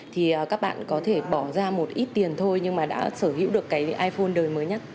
thì các bạn có thể bỏ ra một ít tiền thôi nhưng mà đã sở hữu được cái iphone đời mới nhất